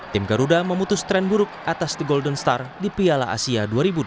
tim garuda memutus tren buruk atas the golden star di piala asia dua ribu dua puluh